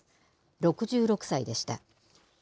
６６歳でした。